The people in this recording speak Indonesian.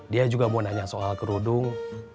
dia juga mau nanya soal kerudung